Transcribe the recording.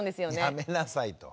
「やめなさい」と。